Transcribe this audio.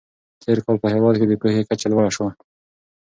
تېر کال په هېواد کې د پوهې کچه لوړه سوه.